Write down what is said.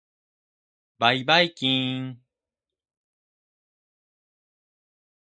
ばいばいきーーーん。